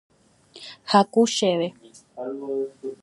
Haku chéve.